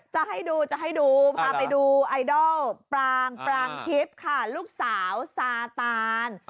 จะให้ดูจะให้ดูพาไปดูไอดอลปรางปรางทิพย์ค่ะลูกสาวซาตาน